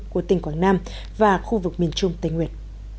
của tỉnh quảng nam và khu vực miền trung tây nguyệt